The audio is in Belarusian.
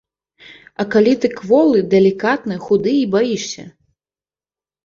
А калі ты кволы, далікатны, худы і баішся?